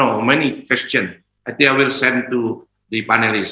saya pikir saya akan mengirimkan kepada panelis